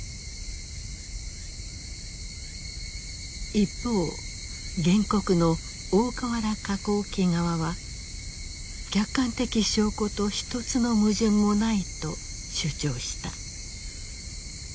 一方原告の大川原化工機側は客観的証拠と一つの矛盾もないと主張した。